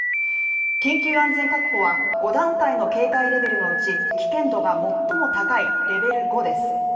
緊急安全確保は５段階の警戒レベルのうち危険度が最も高いレベル５です。